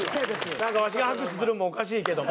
なんかわしが拍手するのもおかしいけども。